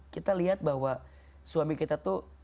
kita lihat bahwa suami kita tuh